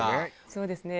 そうですね。